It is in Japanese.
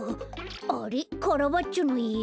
あれっカラバッチョのいえ？